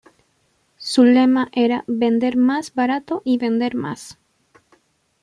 Su lema era "Vender más barato y vender más".